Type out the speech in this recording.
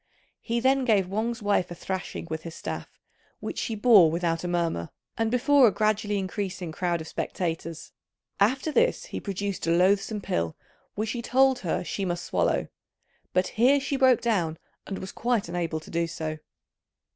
He then gave Wang's wife a thrashing with his staff, which she bore without a murmur, and before a gradually increasing crowd of spectators. After this he produced a loathsome pill which he told her she must swallow, but here she broke down and was quite unable to do so.